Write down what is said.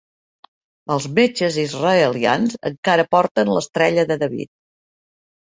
Els metges israelians encara porten l'estrella de David.